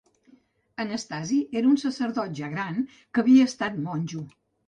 Anastasi era un sacerdot ja gran, que havia estat monjo.